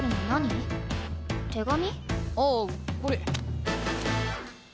ああこれ。